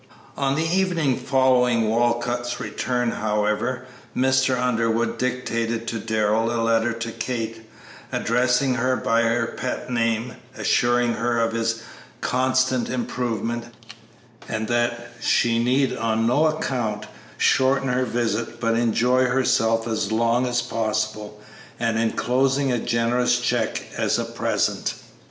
On the evening following Walcott's return, however, Mr. Underwood dictated to Darrell a letter to Kate, addressing her by her pet name, assuring her of his constant improvement, and that she need on no account shorten her visit but enjoy herself as long as possible, and enclosing a generous check as a present.